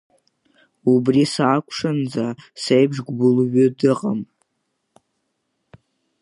Убри сақәшәаанӡа сеиԥш гәбылҩы дыҟам.